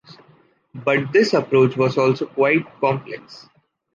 But this approach was also quite complex.